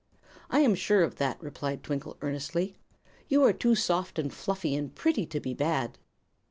"I am sure of that," replied Twinkle, earnestly. "You are too soft and fluffy and pretty to be bad."